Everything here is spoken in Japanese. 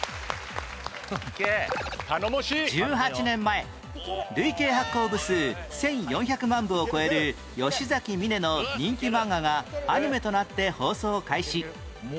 １８年前累計発行部数１４００万部を超える吉崎観音の人気漫画がアニメとなって放送開始